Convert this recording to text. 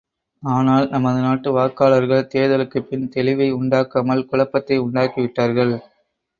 ஆனால், நமது நாட்டு வாக்காளர்கள் தேர்தலுக்குப் பின் தெளிவை உண்டாக்காமல் குழப்பத்தை உண்டாக்கிவிட்டார்கள்.